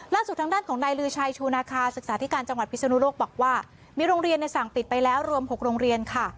ทางด้านของนายลือชัยชูนาคาศึกษาธิการจังหวัดพิศนุโลกบอกว่ามีโรงเรียนในสั่งปิดไปแล้วรวม๖โรงเรียนค่ะ